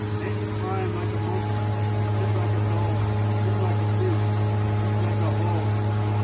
Make me climb like a monkey, scent like a dog, Swim like a fish, and eat like a hog.